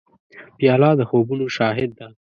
پیاله د خوبونو شاهد ده.